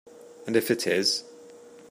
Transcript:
And if it is?